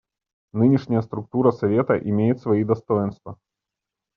Нынешняя структура Совета имеет свои достоинства.